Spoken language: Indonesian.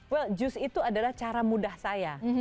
well juice itu adalah cara mudah saya